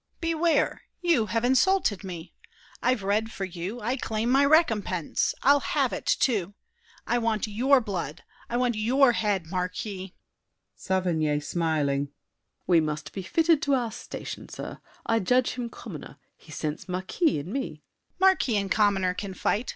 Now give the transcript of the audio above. Beware! You have insulted me! I've read for you; I claim my recompense! I'll have it, too! I want your blood, I want your head, Marquis! SAVERNY (smiling). We must be fitted to our station, sir. I judge him commoner, he scents marquis In me. DIDIER. Marquis and commoner can fight.